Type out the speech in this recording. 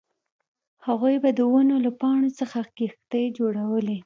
هغوی به د ونو له پاڼو څخه کښتۍ جوړولې